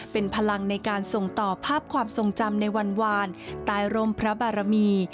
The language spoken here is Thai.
เป็นพลังในการส่งต่อภาพความทรงจำในวันวานตายรมพระบารมี